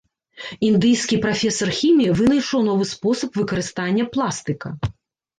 Індыйскі прафесар хіміі вынайшаў новы спосаб выкарыстання пластыка.